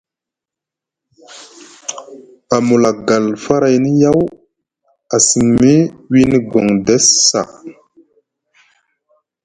A mula gal farayni yaw a siŋni wini Gondes saa.